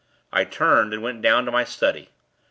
I turned, and went down to my study.